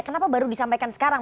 kenapa baru disampaikan sekarang